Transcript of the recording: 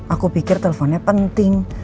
aku pikir telponnya penting